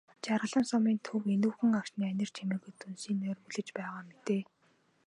Жаргалан сумын төв энүүхэн агшны анир чимээгүйд дүнсийн нойрмоглож байгаа мэтээ.